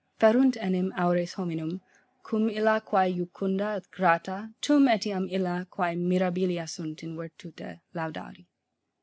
Ferunt enim aures bominum, cum ilia quae jucunda et grata, tum etiam ilia, quae mirabilia sunt in virtute, laudari.'